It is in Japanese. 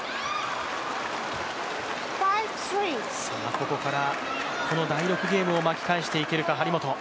ここから、この第６ゲームを巻き返していけるか張本。